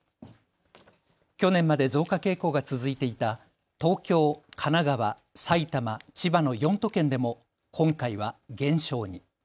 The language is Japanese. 去年まで増加傾向が続いていた東京、神奈川、埼玉、千葉の４都県でも今回は減少に。